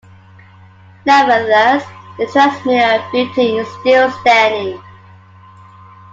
Nevertheless, the transmitter building is still standing.